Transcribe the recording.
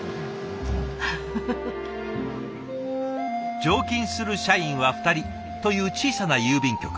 常勤する社員は２人という小さな郵便局。